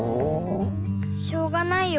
しょうがないよ。